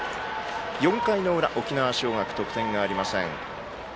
４回の裏、沖縄尚学得点がありません。